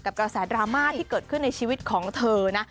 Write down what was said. กระแสดราม่าที่เกิดขึ้นในชีวิตของเธอนะ